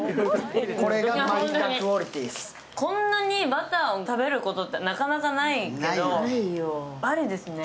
こんなにバターを食べることってなかなかないけど、アリですね。